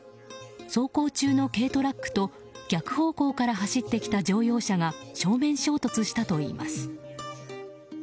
走行中の軽トラックと逆方向から走ってきた乗用車が正面衝突したといいます。